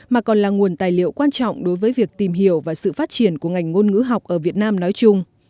mà còn là nguồn tài liệu quan trọng đối với việc tìm hiểu và sự phát triển của ngành ngôn ngữ học ở việt nam nói chung